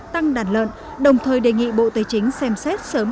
tăng đàn lợn đồng thời đề nghị bộ tây chính xem xét sớm